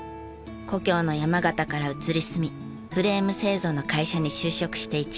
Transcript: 故郷の山形から移り住みフレーム製造の会社に就職して１年。